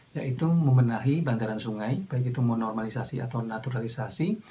yaitu membenahi bandaran sungai baik itu menormalisasi atau naturalisasi